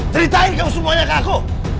ceritain kamu semuanya ke aku